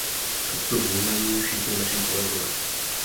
Tak to vnímají všichni naši kolegové.